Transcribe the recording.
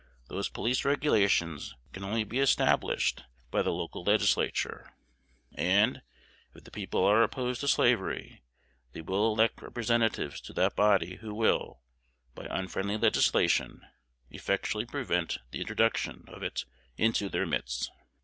Those police regulations can only be established by the local Legislature; and, if the people are opposed to slavery, they will elect representatives to that body who will, by unfriendly legislation, effectually prevent the introduction of it into their midst."